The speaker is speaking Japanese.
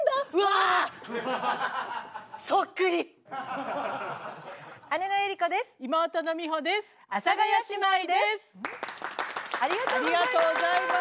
ありがとうございます。